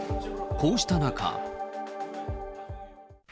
こうした中。